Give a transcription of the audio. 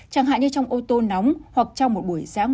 chẳng hạn như trong ô tô nóng hoặc trong một buổi giã ngoại mùa hè